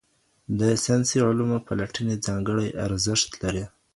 د ساینسي علومو پلټني ځانګړی ارزښت لري.